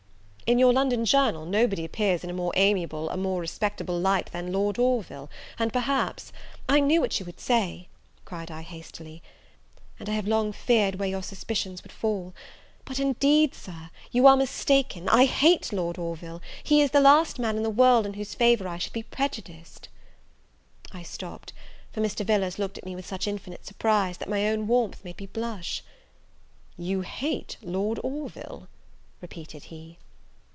"In your London journal, nobody appears in a more amiable, a more respectable light than Lord Orville; and perhaps " "I knew what you would say," cried I, hastily, "and I have long feared where your suspicions would fall; but indeed, Sir, you are mistaken: I hate Lord Orville, he is the last man in the world in whose favour I should be prejudiced." I stopped; for Mr. Villars looked at me with such infinite surprise, that my own warmth made me blush. "You hate Lord Orville!" repeated he.